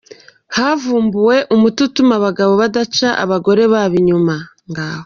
Havumbuwe umuti utuma abagabo badaca abagore babo inyuma